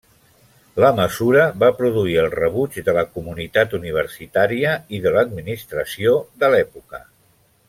La mesura va produir el rebuig de la comunitat universitària i de l'administració de l'època.